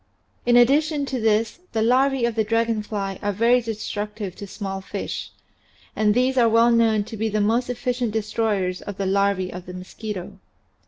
In addition to this the larvae of the dragon fly are very destructive to small fish, and these are well known to be the most efficient destroyers of the larvae of the mosquito.